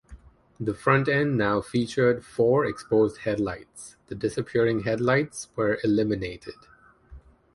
The front end now featured four exposed headlights; the disappearing headlights were eliminated.